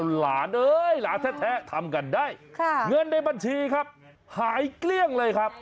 หลานเอ้ยหลานแท้ทำกันได้เงินในบัญชีครับหายเกลี้ยงเลยครับ